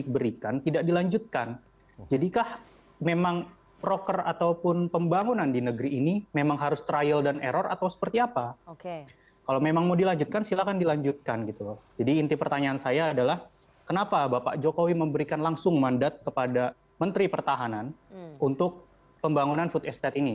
pertanyaan yang paling menarik saya adalah kenapa bapak jokowi memberikan langsung mandat kepada menteri pertahanan untuk pembangunan food estate ini